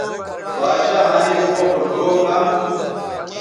باڇھا مہ نِن او خو ڙھؤ کم تھو